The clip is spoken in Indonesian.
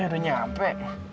eh udah nyampe